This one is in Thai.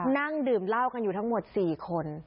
นั่งดื่มเหล้ากันอยู่ทั้งหมด๔คน